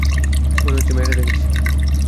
মনে হচ্ছে মেয়েটা দেখছে।